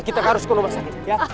kita harus ke rumah sakit